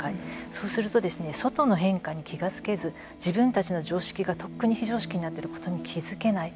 そうすると外の変化に気が付けず自分たちの常識がとっくに非常識になっていることに気付けない。